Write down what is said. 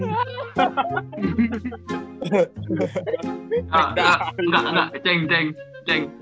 engga engga ceng ceng ceng